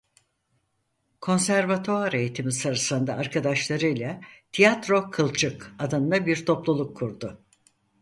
Konservatuvar eğitimi sırasında arkadaşlarıyla "Tiyatro Kılçık" adında bir topluluk kurdu.